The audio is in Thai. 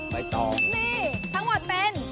ไม่ต้องมีทั้งหมดเป็น